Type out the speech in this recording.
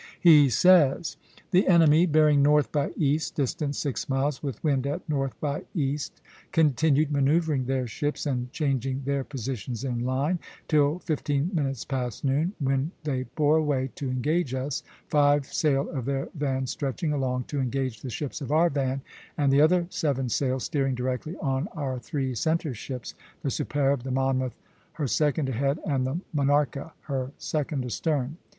He says: "The enemy, bearing north by east, distant six miles, with wind at north by east, continued manoeuvring their ships and changing their positions in line, till fifteen minutes past noon, when they bore away (a) to engage us, five sail of their van stretching along (b) to engage the ships of our van, and the other seven sail (b') steering directly on our three centre ships, the 'Superbe,' the 'Monmouth,' her second ahead, and the 'Monarca,' her second astern.